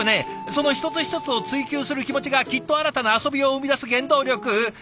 その一つ一つを追求する気持ちがきっと新たな遊びを生み出す原動力。